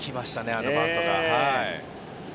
あのバントが。